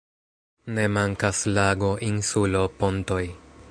Ne mankas lago, insulo, pontoj.